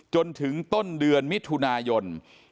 จนถึงต้นเดือนมิถุนายน